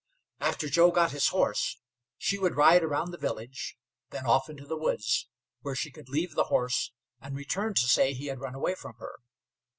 After Joe got his horse, she would ride around the village, then off into the woods, where she could leave the horse and return to say he had run away from her.